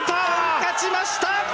勝ちました！